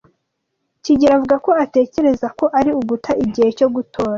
kigeli avuga ko atekereza ko ari uguta igihe cyo gutora.